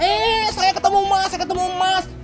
eh saya ketemu emas saya ketemu emas